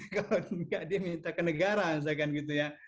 kalau enggak dia minta ke negara misalkan gitu ya